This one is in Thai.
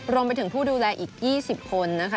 รวมไปถึงผู้ดูแลอีก๒๐คนนะคะ